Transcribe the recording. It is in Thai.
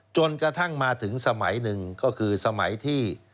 จนกระทั่งมาถึงสมัยหนึ่งก็คือสมัยที่